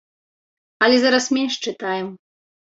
Але зараз менш чытаем.